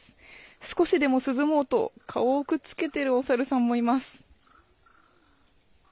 少しでも涼もうと顔をくっつけてるおサルさんもいます。